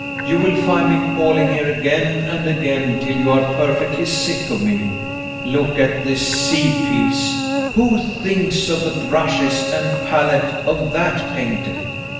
You will find me calling here again and again, till you are perfectly sick of me. Look at this sea piece. Who thinks of the brushes and palette of that painter?